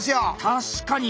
確かに！